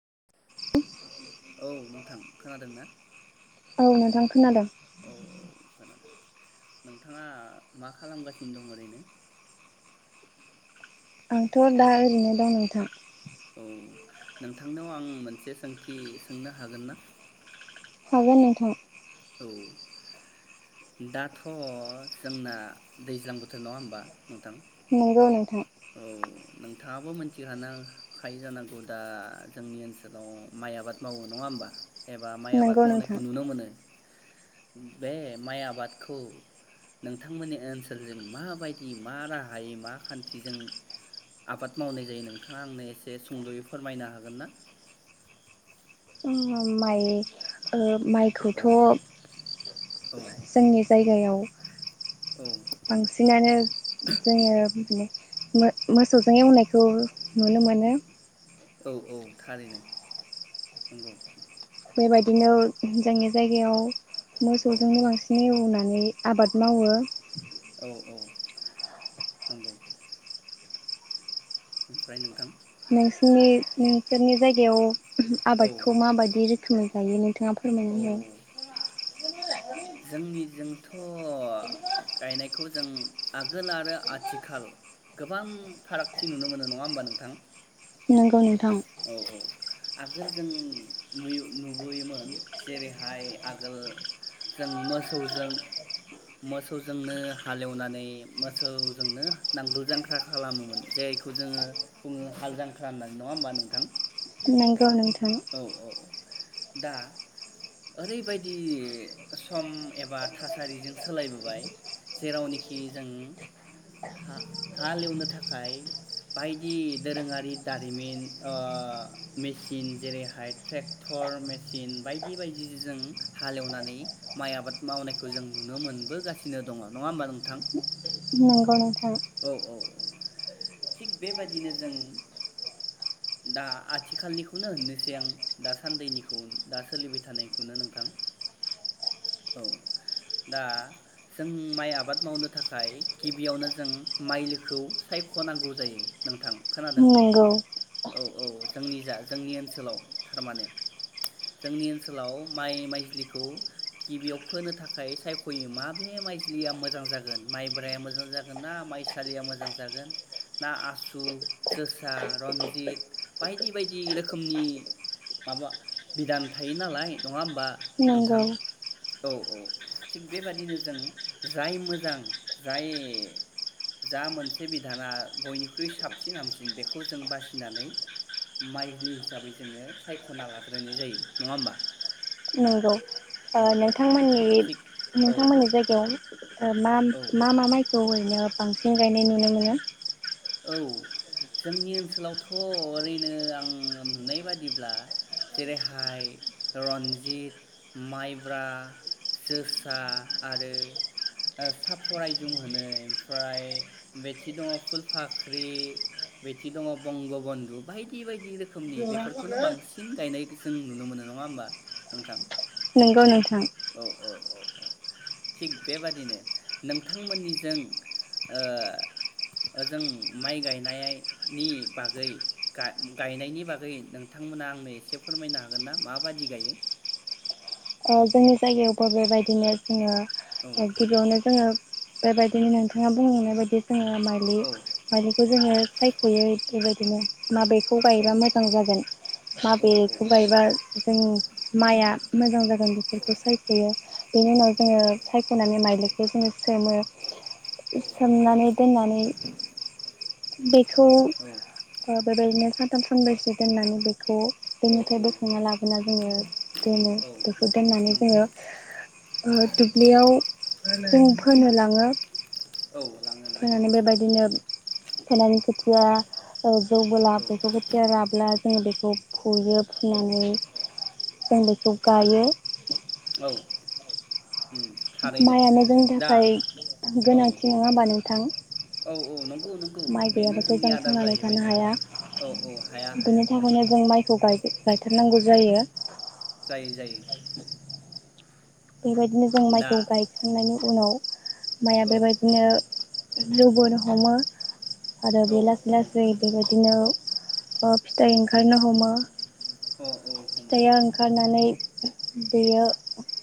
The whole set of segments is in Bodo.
[unintelligible] औ नोंथां खोनादों ना औ नोंथां खोनादों औ औ खोनानो नोंथाङा मा खालामगासिनो दं ओरैनो आंथ' दा ओरैनो दं नोंथां। औ नोंथांनाव आं मोनसे सोंथि सोंनो हागोन ना? हागोन नोंथां। औ दाथ' जोंना दैज्लां बोथोर नङा होनबा नोंथां? नंगौ नोंथां। औ नोंथाङाबो मोनथिखानो खायो जानांगौ दा जोंनि ओनसोलाव माइ आबाद मावो नङा होमबा? एबा माइ आबाद नंगौ मावनायखौ नोंथां नुनो मोनो। बे माइ आबादखौ नोंथांमोननि ओनसोलजों माबायदि मा राहायै मा खान्थि जों आबाद मावनाय जायो नोंथाङा आंनो एसे सुंद'यै फोरमायनो हागोन ना? माइ ओ माइखौथ' औ औ जोंनि जायगायाव औ [inaudible] बांसिनानो जाङो बिदिनो मो-मोसौजों एवनायखौ नुनो मोनो। औ औ थारैनो नंगौ। बेबायदिनो जोंनि जायगायाव औ मोसौजोंनो बांसिन एवो ना नानै आबाद मावो। औ औ नंगौ। ओमफ्राय नोंथां नोंसोरनि नोंसोरनि जायगायाव औ आबादखौ माबायदि रोखो खोमसि गायो नोंथाङा फोरमायनानै हो। जोंनिजोंथ' गायनायखौ जों आगोल आरो आथिखाल गोबां फारागथि नुनो मोनो नङा होमबा नोंथां? नोंगौ नों औ औ। आगोल जों नुयो नुबोयोमोन जेरैहाय आगोल जों मोसौजों मोसौजोंनो हालेवनानै मोसौजोंनो नांगोल जांख्रा खालामोमोन जायखौ जोङो बुङो हाल जांख्रानानै नङा होमबा नों थां? नोंगौ नोंथां। औ औ औ। दा ओरैबायदि सम एबा थासारिजों सोलायबोबाय जेरावनोखि जों हा-हालेवनो थाखाय बायदि दोरोङारि दारिमिन ओह मेसिन जेरैहाय ट्रेक्टर मेसिन बायदि बायदि जों हालेवनानै माइ आबाद मावनायखौ जों नुनो मोनबोगासिनो दङ नङा होमबा नोंथां? नोंगौ नोंथां। औ औ औ। थिग बेबायदिनो जों दा आथिखालनिखौनो होननोसै आं दा सान्दैनिखौ दा सोलिबाय थानायखौनो नोंथां औ दा जों माइ आबाद मावनो थाखाय गिबियावनो जों माइलिखौ सायख'नांगौ जायो नोंथां। खोनादों नंगौ औ। औ जोंनिजा जोंनि ओनसोलाव थारमाने जोंनि ओनसोलाव माइ माइज्लिखौ गिबियाव फोनो थाखाय सायख'यो माबेे माइज्लिया मोजां जागोन माइब्राया मोजां जागोनना माइ सालिया मोजां जागोन ना आसु, जोसा, रनजित बायदि बायदि रोखोमनि माबा बिधान थायो नालाय नङाहोम बा नंगौ नोंथां औ-औ थिग बेबादिनो जों जाय मोजां जाय जा मोनसे बिधाना बयनिख्रुइ साबसिन हामसिन बेखौ जों बासिनानै माइज्लि हिसाबै जोङो सायख'ना लाग्रोनाय जायो नङा होमबा नंगौ औ ओह औ थिग औ नोंथांमोननि-नोंथांमोननि जायगायाव ओह औ मा-मा-मा माइखौ ओरैनो बांसिन गायनाय नुनो मोनो औ जोंनि ओनसोलावथ' ओरैनो आं नुनाय बादिब्ला जेरैहाय रन्जित, माइब्रा, जोसा आरो ओह साफरआइजुम होनो ओमफ्राय बेथि दङ फुल फाख्रि बिथि दङ बंगबन्धु बायदि बायदि रोखोमनि बेफोरखौनो बांसिन गायनाय जों नुनो मोनो नङा होमबा नोंथां नोंगौ नोंथा औ-औ-औ थिग बेबादिनो नोंथांमोननिजों ओह ओजों माइ गायनायनि बागै गा-गायनायनि बागै नोंथांमोना आंनो एसे फोरमायनो हागोनना माबादि गायो अह जोंनि जायगायावबो बेबायदिनो जोङो औ गिबियावनो जोङो बेबायदिनो नोंथाङा बुंलांनाय बायदि जोंङो औ माइलि-माइलिखौ जोङो सायख'यो बिदिनो माबेखौ औ गायबा मोजां जागोन औ माबेखौ गायबा जों माइआ मोजां जागोन जों बेफोरखौ सायख'यो बेनि उनाव औ जोङो सायख'नानै माइलिखौ जोङो सोमो औ नंगौ सोमनानै दोननानै बे बैखौ औ ओ बेबायदिनो सानथाम सानब्रैसो दोननानै बे खौ औ दैनिफ्राय औ बोखांना लाबोना जोङो दोनो औ बेखौ दोननानै नंगौ जोङो ओ दुब्लियाव जों फोनो लाङो औ लाङो लाङो फोनानै निसय बेबायदिनो फोनानै खोथिया जौबोला औ बेखौ खोथिया राब्ला जोङो बेखौ बुयो औ फुनानै जों बेखौ गायो औ माइयानो जोंनि थाखाय औ गोनांथि नङा होमबा नोंथां औ औ नंगौ नंगौ माइ बेनो गैयाब्लाासो जोंनि जों आदार थांनानै जाहैबाय थानो नालाय हाया औ औ हाया हाया बिनि थाखायनो जों माइ गाय गायथारनांगौ जायो जायो जायो बेबायदिनो जों दा माइखौ गायखांनायनि उनाव माइया औ बेबायदिनो [unintelligible] आरो औ बे लासै हमो लासै हमो बेबायदिनो फिथाइ ओंखारनो हमो अ औ हमो फिथाइया ओंखारनानै बेयो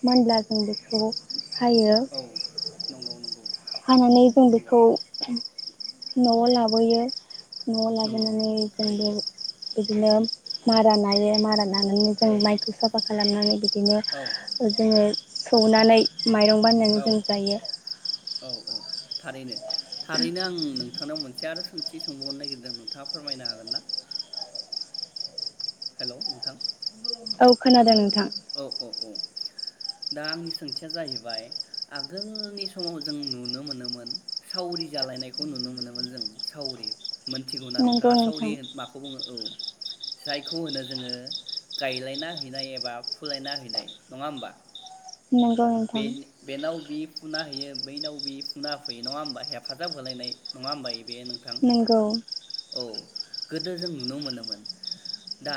मोनब्ला जों बेखौ हायो औ नंगौ नंगौ हानानै जों नंगौ बेखौ न'आव लाबोयो न'आव नंगौ लाबोनानै जों थारैनो बे बिदिनो मारा नायो मारा लानानै जों औ माइखौ साफा खालामनानै बिदिनो औ जोङो। सौनानै। माइरं बानायनानै औ जों जायो। औ औ थारैनो थारैनो आं नोंथांनाव मोनसे आरो सोंथि सोंबावनो नागिरदों नोंथाङा फोरमायनो हागोन ना हेलौ नोंथां। औ खोनादों नों औ औ औ। दा आंनि सोंथिया जाहैबाय आगोलनि समाव जों नुनो मोनोमोन सावरि जालायनायखौ नुनो मोनोमोन जों सावरि। मोनथिगौ ना नंगौ नोंथाङा सावरि नोंथां माखौ बुङो औ। जायखौ होनो जोङो गायलायना हैनाय एबा फुलायना हैनाय नङा होमबा। नंगौ बे नोंथां बेेनाव बिफ फुना होयो बैनाव बि फुना होफैयो नङा होमबा हेफाजाब होलायनाय नङा होमबा। बेयो नोंथां नंगौ औ। गोदो जों नुनो मोनोमोन दा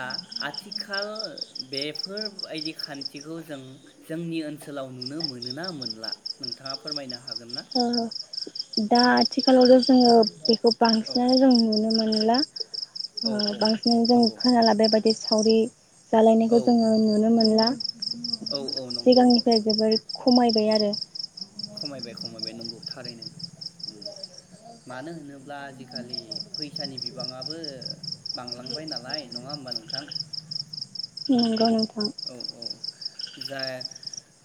आथिखाल बेफोरबायदि खान्थिखौ जों जोंनि ओनसो लाव नुनो मोनोना मोनला नोंथाङा फोरमायनो हा हागोन ना ओ दा औ आथिखाल [inaudible] खौ औ बांसिनानो जों नुनो मोनो। ला औ औ बांसिन जों नंगौ खोनाला बेबायदि सावरि औ जालायनायखौ जोङो नुनो मोनला औ औ नंगौ सिगांनिफ्राय जोबोर खमायबाय आरो खमायबाय खमायबाय नंगौ थारैनो मानो होनोब्ला आजिखालि फैसानि बिबाङाबो बांलांबाय नालाय नङा होमबा नोंथां नंगौ नोंथां औ औ जा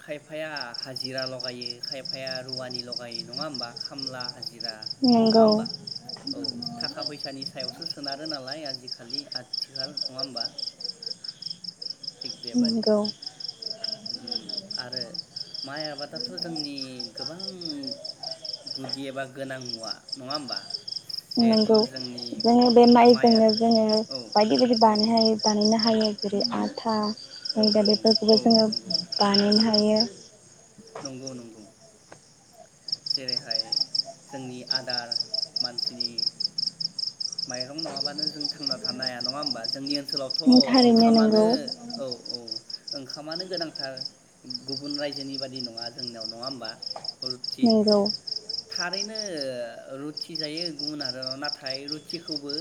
खायफाया हाजिरा लगायो खायफाया रुवानि लगायो नङा होमबा खामला जिरा नंङा नंगौ होमबला औ थाखा फैसानि सायावसो सोनारो नालाय आजिखालि आथिखाल नङा होमबा थिग नंगौ बेबादिनो आरो माइ आबादाथ' जोंनि गोबां गुदि एबा गोनां मुवा नङा होमबा जिहेथु नंगौ जोंनि जोङो बे माइआ माइजोंनो जोङो औ बायदि बायदि औ बानाय बानायनो हायो जेरै आथा औ मै दा औ बेफोरखौबो औ जोङो नंगौ बानायनो हायो नंगौ नंगौ जेरैहाय जोंनि आदार मानसिनि माइरं नङाबानो जों थांना थानो हाया नङा होमबा जोंनि ओनसोल ओनसोलावथ' थारैनो नंगौ ओंखामानो औ औ ओंखामानो गोनांथार गुबुन रायजोनि बादि नङा जोंनियाव नङा होमबा हलखि नंगौ थारैनो रुथि जायो गुबुन हादोराव नाथाय रुथिखौबो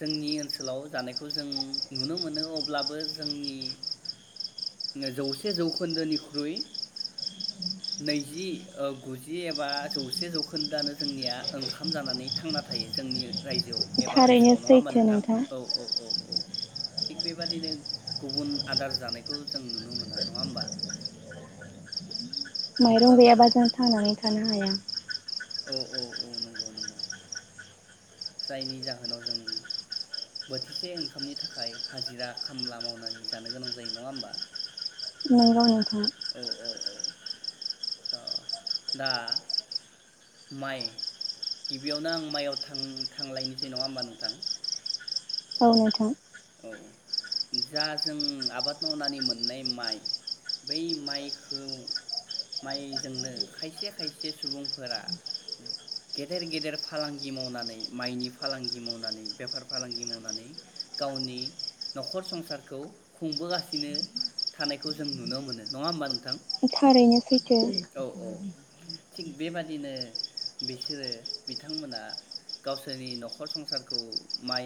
जोंनि ओनसोलाव जानायखौ जों नुनो मोनो अब्लाबो जोंनि जौसे जौखोन्दोनिख्रुइ नैजि गुजि एबा जौसे जौखोन्दोआनो जोंनिया ओंखाम जानानै थांना थायो जोंनि रायजोआव एबा ओनसो सेल' थारैनो नङा होमबा सैथो नोंथां औ औ औ औ थिग बेबादिनो गुबुन आदार जानायखौ जों नुनो मोना नङा होमबा माइरं नंगौना नोंथां गैयाबा जों थांनानै थानो हाया औ औ औ नंगौ नंगौ जायनि जाहोनाव जों बोथिसे ओंखामनि थाखाय हाजिरा खामला मावनानै जानो गोनां जायो नङा हबा नोंगौ [unintelligible] दा माइ गिबियावनो आं माइआव थां थांलायनोसै नङा होमबा नोंथां औ नोंथां औ जा जों आबाद मावनानै मोननाय माइ बै माइखौ माइजोंनो खायसे खायसे सुबुंफोरा गेदेर गेदेर फालांगि मावनानै माइनि फालांगि मावनानै बेफार फालांगि मावनानै गावनि न'खर संसारखौ खुंबोगासिनो थानायखौ जों नुनो मोनो नङा होमबा नोंथां थारैनो सैथो औ औ थिग बेबादिनो बिसोरो बिथांमोना गावसोरनि न'खर संसारखौ माइ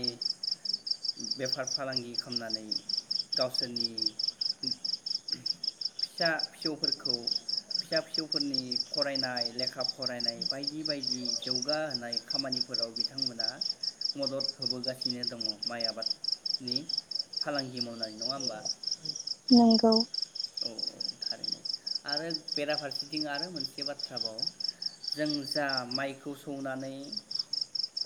बेफार फालांगि खालामनानै गावसोरनि फिसा फिसौफोरखौ फिसा फिसौफोरनि फरायनाय लेखा फरायनाय बायदि बायदि जौगाहोनाय खामानिफोराव बिथांमोना मदद होबोगासिनो दङ। माइ आबादनि फालांगि मावनानै नङा होमबा नोंगौ औ औ थारैनो आरो बेराफारसेथिं आरो मोनसे बाथ्रा बाव जों जा माइखौ सौनानै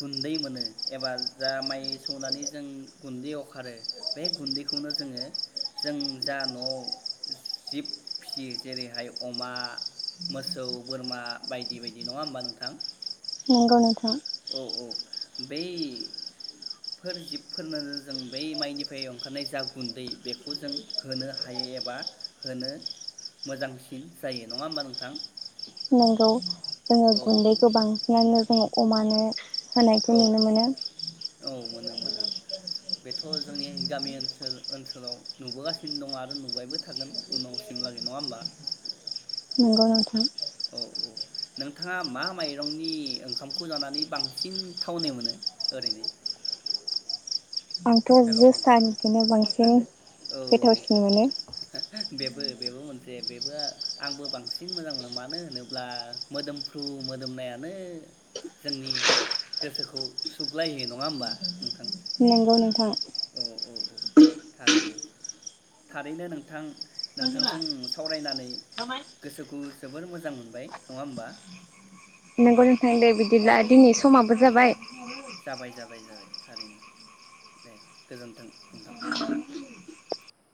गुन्दै मोनो एबा जा माइ सौनानै जों गुन्दै अखारो बे गुन्दैखौनो जोङो जों जा न'आव जिब फियो जेरैहाय अमा मोसौ बोरमा बायदि बायदि नङा होमबा नोंथां नोंगौ नोंथां औ औ बैफोर जिबफोरनो जों बै माइनिफ्राय ओंखारनाय जा गुन्दै बेखौ जों होनो हायो एबा होनो मोजांसिन जायो नङा होमबा नोंथां। नंगौ जोङो औ औ गुन्दैखौ बांसिनानो जोङो माने औ होनायखौ नुनो मोनो। औ मोनो मोनो बेथ' जोंनि गामि ओनसोल ओनसोलाव नुबोगासिनो दङ आरो नुबायबो थागोन उनावसिमलागै नङा होमबा। नंगौ नोंथां। औ औ नोंथाङा मा माइरंनि ओंखामखौ जानानै बांसिन थावनि मोनो ओरैनो आंथ' हेल' नोंथां जोसाहानिखौनो बांसिन औ [unintelligible] गोथावसिन मोनो। बेबो बेबो मोनसे बेबो आंबो बांसिन मोजां मोनो मानो होनोब्ला मोदोमफ्रु मोदोमनायानो जोंनि गोसोखौ सुग्लायहोयो नङा होमबा नोंथां। नोंगौ नोंथां अह औ औ थारैनो थारैनो नोंथां नोंथांजों सावरायनानै गोसोखौ जोबोर मोजां मोनबाय नङा होमबा नोंगौ नोंथां दे औ बिदिब्ला औ दिनै औ समाबो औ जाबाय। जाबाय जाबाय जाबाय थारैनो दे। गोजोन्थों नोंथां।